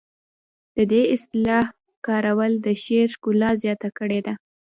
د دې اصطلاح کارول د شعر ښکلا زیاته کړې ده